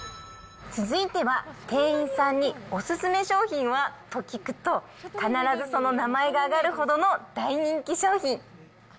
続いては、店員さんにお勧め商品は？と聞くと、必ずその名前が挙がるほどの大人気商品。